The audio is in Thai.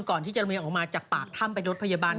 ก่อนที่จะระเบียงออกมาจากปากถ้ำไปรถพยาบาล